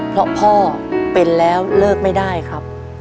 เพราะพ่อเป็นแล้วเลิกไม่ได้ครับ